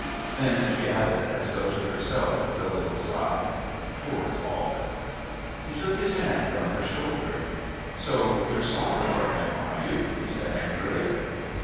Then she added, as though to herself, with a little sigh, "Poor Falk!" He took his hand from her shoulder. "So you're sorry for him, are you?" he said angrily.